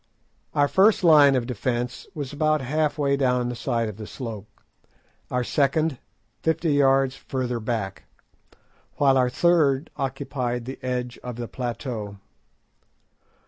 Our first line of defence was about half way down the side of the slope, our second fifty yards further back, while our third occupied the edge of the plateau.